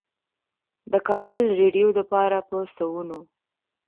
د کابل رېډيؤ دپاره پۀ سوونو